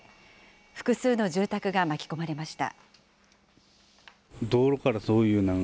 複数の住宅が巻き込まれました。